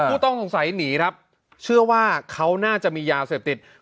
ผู้ต้องสงสัยหนีครับเชื่อว่าเขาน่าจะมียาเสพติด